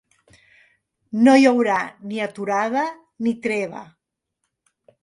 No hi haurà ni aturada ni treva.